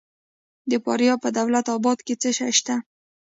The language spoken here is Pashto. د فاریاب په دولت اباد کې څه شی شته؟